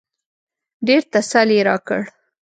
ډېر تسل يې راکړ.